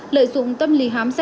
lợi dụng tâm lý hám rẻ